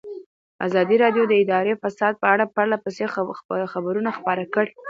ازادي راډیو د اداري فساد په اړه پرله پسې خبرونه خپاره کړي.